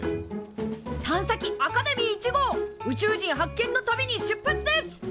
探査機アカデミー１号宇宙人発見の旅に出発です！